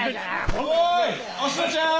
・おいお志乃ちゃん！